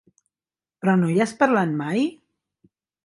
Però no hi has parlat mai?